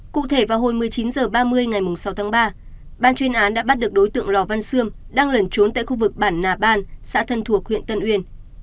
cụ thể vào hồi một mươi chín h ba mươi ngày sáu tháng ba ban chuyên án đã bắt được đối tượng lò văn sươm đang lẩn trốn tại khu vực bản nà ban xã thân thuộc huyện tân uyên